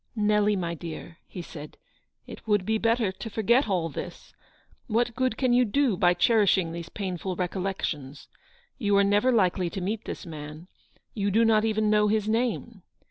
" Nelly, my dear/' he said, " it would be better to forget all this. What good can you do by cherishing these painful recollections ? You are never likely to meet this man ; you do not even know his name.